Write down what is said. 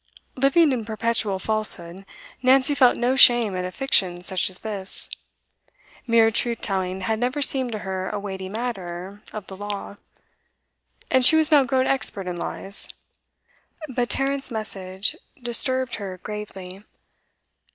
Living in perpetual falsehood, Nancy felt no shame at a fiction such as this. Mere truth telling had never seemed to her a weighty matter of the law. And she was now grown expert in lies. But Tarrant's message disturbed her gravely.